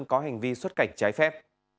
có hành vi xuất cảnh trái phép